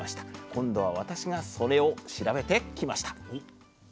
今度は私がそれを調べてきました。